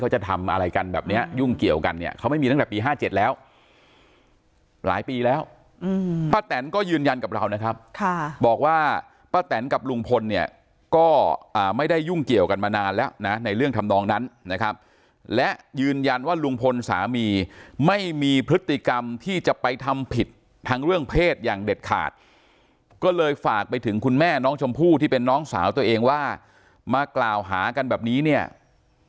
หลายปีแล้วป้าแต่นก็ยืนยันกับเรานะครับบอกว่าป้าแต่นกับลุงพลเนี่ยก็ไม่ได้ยุ่งเกี่ยวกันมานานแล้วในเรื่องทำนองนั้นนะครับและยืนยันว่าลุงพลสามีไม่มีพฤติกรรมที่จะไปทำผิดทั้งเรื่องเพศอย่างเด็ดขาดก็เลยฝากไปถึงคุณแม่น้องชมพู่ที่เป็นน้องสาวตัวเองว่ามากล่าวหากันแบบนี้เนี่ยไม่มีพฤติกรร